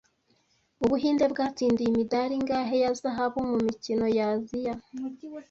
Ubuhinde bwatsindiye imidari ingahe ya zahabu mu mikino ya Aziya